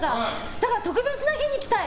だから特別な日に着たい。